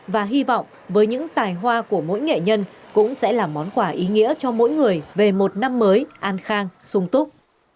và hy vọng với những tài hoa của mỗi nghệ nhân cũng sẽ là món quà ý nghĩa cho mỗi người về một năm mới an khang sung túc